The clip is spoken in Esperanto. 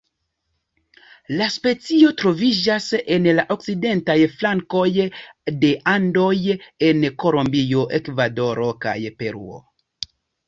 La specio troviĝas en la okcidentaj flankoj de Andoj en Kolombio, Ekvadoro kaj Peruo.